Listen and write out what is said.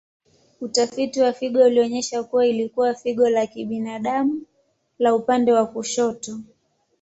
Utafiti wa figo ulionyesha kuwa ilikuwa figo la kibinadamu la upande wa kushoto.